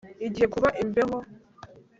Igiye kuba imbeho